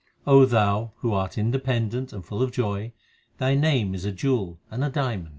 O Thou, who art independent and full of joy, Thy name is a jewel and a diamond.